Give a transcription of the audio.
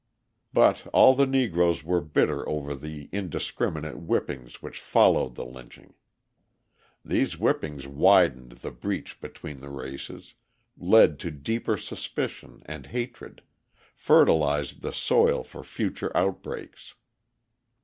But all the Negroes were bitter over the indiscriminate whippings which followed the lynching. These whippings widened the breach between the races, led to deeper suspicion and hatred, fertilised the soil for future outbreaks.